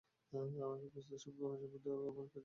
আমাদের পুস্তকে মহাসাম্যবাদ আছে, আমাদের কার্যে মহাভেদবুদ্ধি।